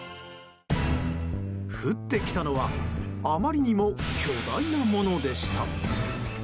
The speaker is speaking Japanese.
降ってきたのはあまりにも巨大なものでした。